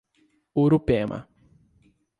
Urupema